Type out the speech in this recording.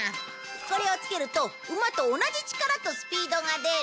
これを付けると馬と同じ力とスピードが出る。